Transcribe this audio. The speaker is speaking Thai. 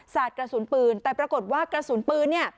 สาดกระสุนปืนแต่ปรากฏว่ากระสุนปืน